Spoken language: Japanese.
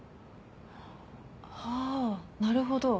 あなるほど。